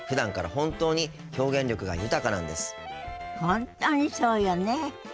本当にそうよね。